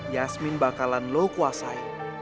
yasmin bakalan lo kuasai